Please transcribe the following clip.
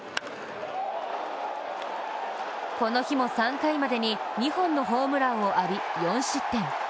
この日も３回までに２本のホームランを浴び４失点。